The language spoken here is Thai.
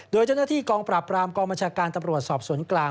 โดยเจ้าหน้าที่กองปราบรามกองบัญชาการตำรวจสอบสวนกลาง